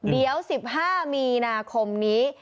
เดี๋ยว๑๕มีนาคมนี้